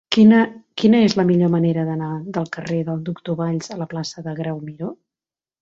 Quina és la millor manera d'anar del carrer del Doctor Valls a la plaça de Grau Miró?